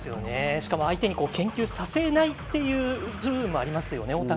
しかも相手に研究させないという部分もありますよね。